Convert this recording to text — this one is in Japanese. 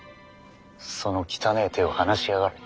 その汚え手を離しやがれ。